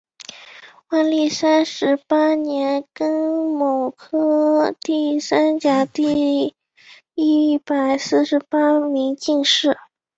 万历三十八年庚戌科第三甲第一百四十八名进士。